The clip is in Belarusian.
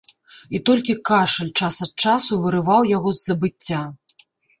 І толькі кашаль час ад часу вырываў яго з забыцця.